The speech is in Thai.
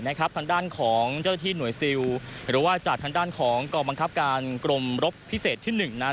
ทางด้านของเจ้าหน้าที่หน่วยซิลหรือว่าจากทางด้านของกองบังคับการกรมรบพิเศษที่๑นั้น